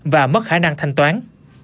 và mất khả năng thanh toán